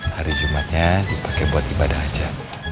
hari jumatnya dipakai buat ibadah aja